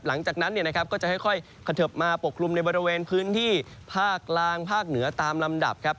หลังจากนั้นก็จะค่อยเขิบมาปกคลุมในบริเวณพื้นที่ภาคกลางภาคเหนือตามลำดับครับ